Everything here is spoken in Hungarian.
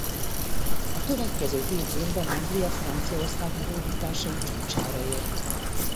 A következő hét évben Anglia franciaországi hódításai csúcsára ért.